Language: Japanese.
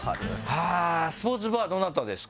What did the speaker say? スポーツバーどなたですか？